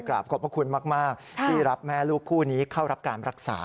ขอบพระคุณมากที่รับแม่ลูกคู่นี้เข้ารับการรักษา